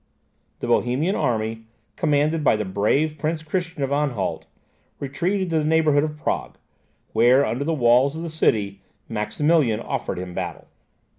The Bohemian army, commanded by the brave Prince Christian of Anhalt, retreated to the neighbourhood of Prague; where, under the walls of the city, Maximilian offered him battle.